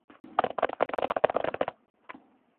ამ კითხვაზე შეგვიძლია მარტივი პასუხი გავცეთ — ევოლუცია.